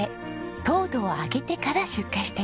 糖度を上げてから出荷しています。